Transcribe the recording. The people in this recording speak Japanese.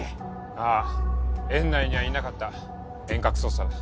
ああ園内にはいなかった遠隔操作だ。